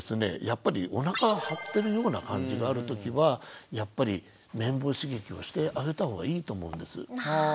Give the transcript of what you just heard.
やっぱりおなかが張ってるような感じがある時はやっぱり綿棒刺激をしてあげた方がいいと思うんです。